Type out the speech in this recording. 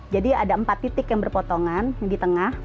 jadi ada empat titik yang berpotongan di tengah